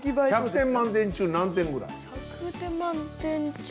１００点満点中何点ぐらい？